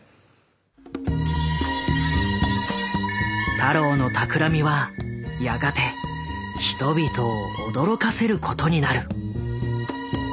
太郎の企みはやがて人々を驚かせることになる。